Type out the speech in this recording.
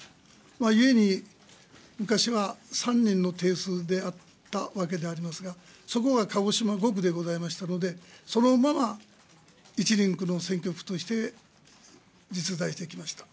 ゆえに昔は３人の定数であったわけでありますが、そこは鹿児島５区でございましたので、そのまま１人区の選挙区として実在してきました。